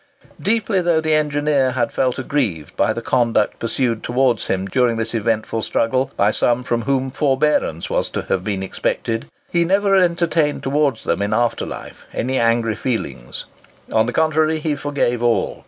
Deeply though the engineer had felt aggrieved by the conduct pursued towards him during this eventful struggle, by some from whom forbearance was to have been expected, he never entertained towards them in after life any angry feelings; on the contrary, he forgave all.